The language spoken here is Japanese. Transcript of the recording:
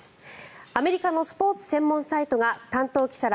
アメリカのスポーツ専門サイトが担当記者ら